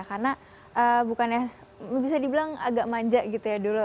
karena bukan ya bisa dibilang agak manja gitu ya dulu